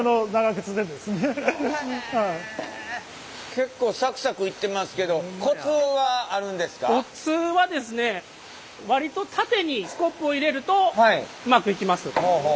結構サクサクいってますけどコツはですね割と縦にスコップを入れるとうまくいきます。